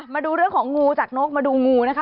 มาดูเรื่องของงูจากนกมาดูงูนะคะ